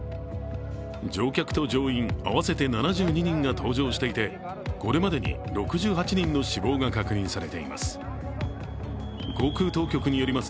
乗客と乗員合わせて７２人が搭乗していてこれまでに６８人の死亡が確認されています。